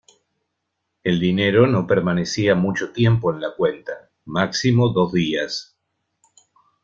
El dinero no permanecía mucho tiempo en la cuenta; máximo dos días.